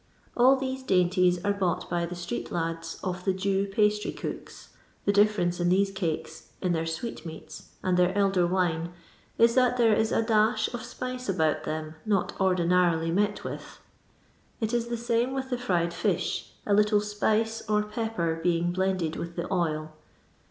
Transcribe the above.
All these dainties are bought by the street lads of the Jew pastry cooks. The difference in these cakes, in their sweetmeats, and their elder wine, is that there is a dash of spice about them not ordinarily met with. It is the same with the fried fish, a little spice or pepper being blended with the oil.